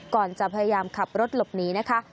ก่อนจะพยายามขับรถหลบหนีนะคะ